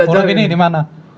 huruf ini dimana